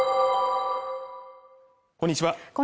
こんにちは